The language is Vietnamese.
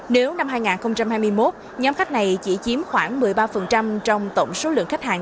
nếu năm hai nghìn hai mươi một nhóm khách này chỉ chiếm khoảng một mươi ba trong tổng số lượng khách hàng